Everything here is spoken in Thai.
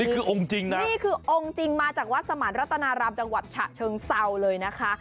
องค์จริงนะนี่คือองค์จริงมาจากวัดสมานรัตนารามจังหวัดฉะเชิงเซาเลยนะคะ